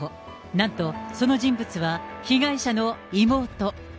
なんとその人物は、被害者の妹。